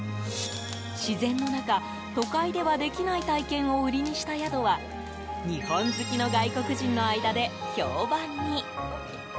自然の中、都会ではできない体験を売りにした宿は日本好きの外国人の間で評判に！